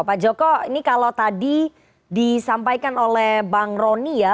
pak joko ini kalau tadi disampaikan oleh bang roni ya